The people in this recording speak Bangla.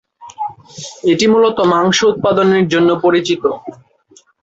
এটি মূলত মাংস উৎপাদনের জন্য পরিচিত।